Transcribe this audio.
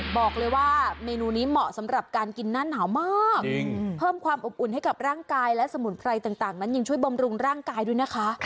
บอกเลยว่าเมนูนี้เหมาะสำหรับการกินหน้าหนาวมากเพิ่มความอบอุ่นให้กับร่างกายและสมุนไพรต่างนั้นยังช่วยบำรุงร่างกายด้วยนะคะ